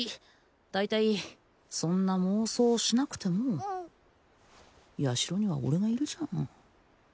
大体そんな妄想しなくてもヤシロには俺がいるじゃん